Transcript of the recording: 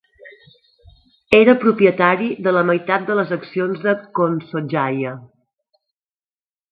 Era propietari de la meitat de les accions de Konsojaya.